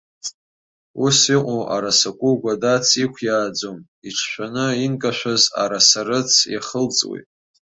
Ус иҟоу арасыкәыгә адац иқәиааӡом, иҿшәаны инкашәаз араса-рыц иахылҵуеит.